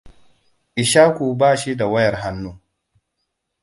Ishaku bashi da wayar hannu.